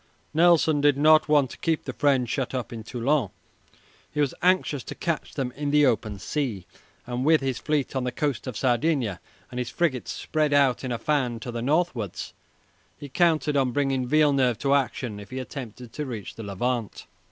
Nelson did not want to keep the French shut up in Toulon. He was anxious to catch them in the open sea, and with his fleet on the coast of Sardinia and his frigates spread out in a fan to the northwards he counted on bringing Villeneuve to action if he attempted to reach the Levant.